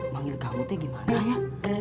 manggil kamu tuh gimana ya